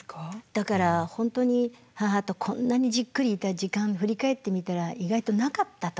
だから本当に母とこんなにじっくりいた時間振り返ってみたら意外となかったと。